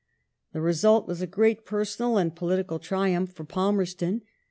The result was a great personal and political triumph for Palmerston.